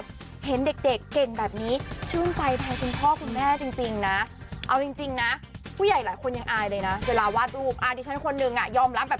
เห็นเด็กเก่งแบบนี้ชื่นใจแทนคุณพ่อคุณแม่จริงนะเอาจริงนะผู้ใหญ่หลายคนยังอายเลยนะเวลาวาดรูปอ่าดิฉันคนหนึ่งอ่ะยอมรับแบบ